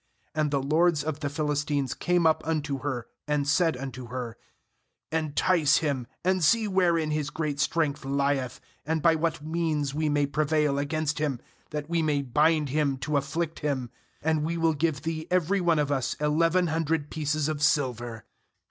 5And the lords of the Philistines came up unto her, and said unto her: * Entice him, and see wherein his great strength lieth, and by what means we may prevail against him, that we inay bind him to afflict him; and we will give thee every one of us eleven hundred pieces of silver.'